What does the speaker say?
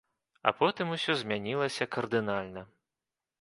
А потым усё змянілася кардынальна.